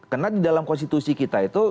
karena di dalam konstitusi kita itu